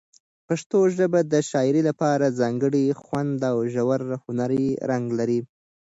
پښتو ژبه د شاعرۍ لپاره ځانګړی خوند او ژور هنري رنګ لري.